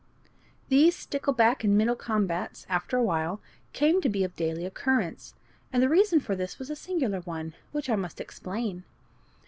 These stickleback and minnow combats, after a while, came to be of daily occurrence, and the reason for this was a singular one, which I must explain.